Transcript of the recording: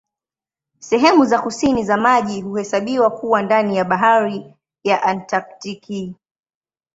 Sehemu za kusini za maji huhesabiwa kuwa ndani ya Bahari ya Antaktiki.